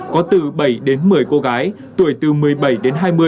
có từ bảy đến một mươi cô gái tuổi từ một mươi bảy đến hai mươi